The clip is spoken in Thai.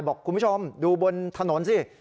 บอกคุณผู้ชมดูบนถนนสิ